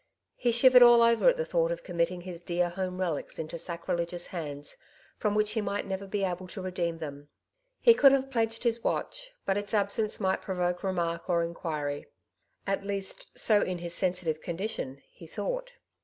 He shivered all over at the thought of committing his dear home relics into sacrileg^oos hands, from which he might never be able to redeem them. He could have pledged his watch, but its absence might provoke remark or inquiry; at least, so in his sensitive condition, he thought.